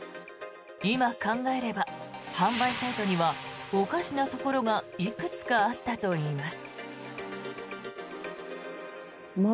今考えれば販売サイトにはおかしなところがいくつかあったといいます。